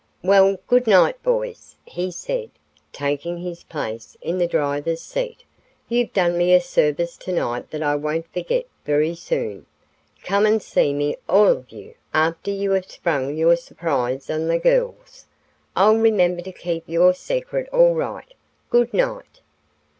"Well, good night, boys," he said, taking his place in the driver's seat. "You've done me a service tonight that I won't forget very soon. Come and see me, all of you, after you have sprung your surprise on the girls. I'll remember to keep your secret all right. Good night."